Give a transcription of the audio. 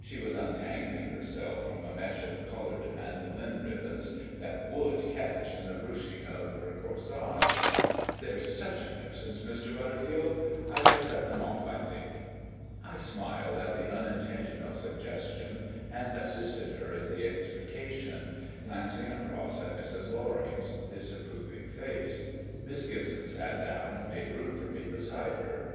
She was untangling herself from a mesh of coloured mandolin ribbons that would catch in the ruching of her corsage. "They're such a nuisance, Mr. Butterfield; I shall cut them off, I think." I smiled at the unintentional suggestion, and assisted her in the extrication, glancing across at Mrs. Loring's disapproving face. Miss Gibson sat down and made room for me beside her.